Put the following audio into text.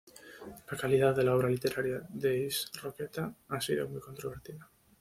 La calidad de la obra literaria de Ives Roqueta ha sido muy controvertida.